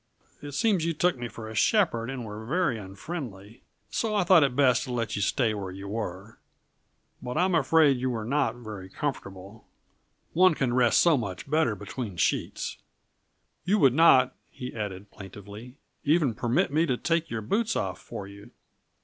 It seems you took me for a shepherd and were very unfriendly; so I thought it best to let you stay as you were, but I'm afraid you were not very comfortable. One can rest so much better between sheets. You would not," he added plaintively, "even permit me to take your boots off for you."